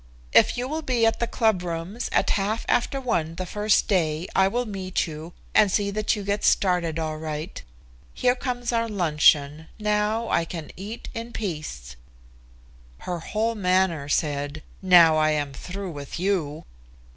If you will be at the clubrooms at half after one the first day, I will meet you, and see that you get started all right. Here comes our luncheon. Now I can eat in peace." Her whole manner said: "Now I am through with you."